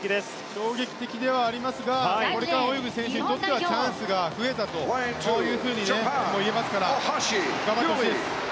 衝撃的ではありますがこれから泳ぐ選手にとってはチャンスが増えたというふうに言えますから頑張ってほしいです。